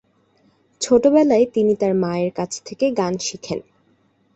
ছোটবেলায় তিনি় তার মায়ের কাছ থেকে গান শিখেন।